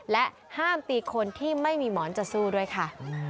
และห้ามตีคนที่ไม่มีหมอนจะสู้ด้วยค่ะ